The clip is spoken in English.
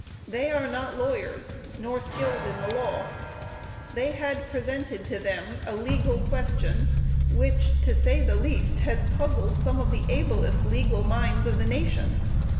They are not lawyers, nor skilled in the law. They had presented to them a legal question which, to say the least, has puzzled some of the ablest legal minds of the nation.